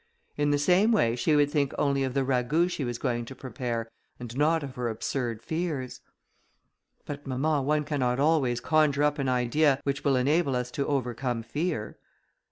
In the same way she would think only of the ragout she was going to prepare, and not of her absurd fears." "But, mamma, one cannot always conjure up an idea which will enable us to overcome fear."